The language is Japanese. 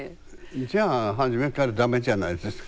じゃあ初めからダメじゃないですか。